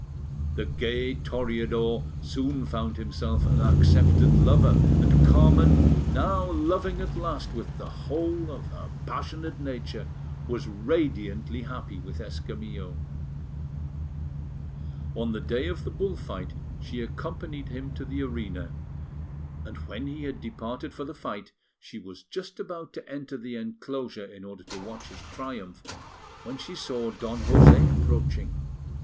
The gay Toreador soon found himself an accepted lover; and Carmen, now loving at last with the whole of her passionate nature, was radiantly happy with Escamillo. On the day of the bull fight she accompanied him to the arena; and when he had departed for the fight, she was just about to enter the enclosure in order to watch his triumph, when she saw Don José approaching.